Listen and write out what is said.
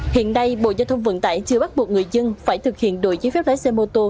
hiện nay bộ giao thông vận tải chưa bắt buộc người dân phải thực hiện đổi giấy phép lái xe mô tô